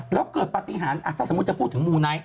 แล้วเกิดปฏิหารถ้าสมมุติจะพูดถึงมูไนท